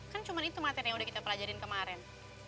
kan cuma itu materi yang udah kita pelajarin kemarin